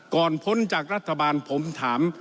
พ้นจากรัฐบาลผมถาม